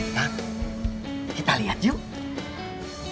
kita lihat yuk